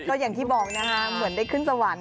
ก็อย่างที่บอกนะคะเหมือนได้ขึ้นสวรรค์